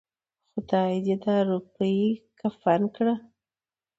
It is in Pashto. خداى دې دا روپۍ کفن کړه.